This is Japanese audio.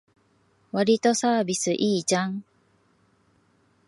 わりとサービスいいじゃん